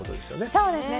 そうですね。